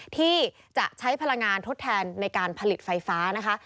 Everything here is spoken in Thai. ที่จะใช้พลังงานทดแทนในการผลิตไฟฟ้านะคะ